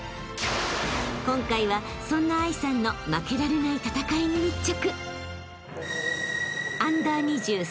［今回はそんな藍さんの負けられない戦いに密着］